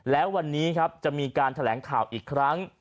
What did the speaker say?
แล้ววันนี้ครับจะมีการแถลงข่าวอีกครั้ง